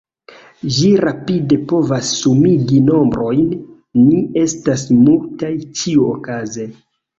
Ĝi rapide povas sumigi nombrojn, ni estas multaj, ĉiuokaze.